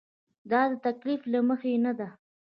دا د تکلف له مخې نه ده.